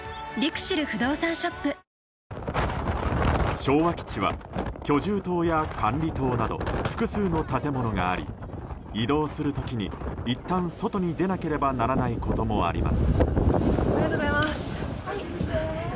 昭和基地は居住棟や管理棟など複数の建物があり移動する時にいったん外に出なければならないこともあります。